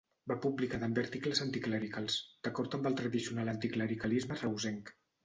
Va publicar també articles anticlericals, d'acord amb el tradicional anticlericalisme reusenc.